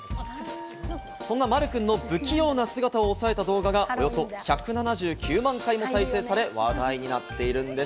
そんなまるくんの不器用な姿を抑えた動画がおよそ１７９万回も再生され、話題になっているんです。